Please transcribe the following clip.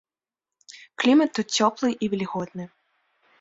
Клімат тут цёплы і вільготны.